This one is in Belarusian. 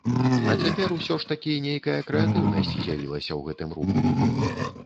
А цяпер усё ж такі нейкая крэатыўнасць з'явілася ў гэтым руху.